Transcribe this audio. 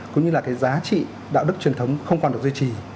cũng như là cái giá trị đạo đức truyền thống không còn được duy trì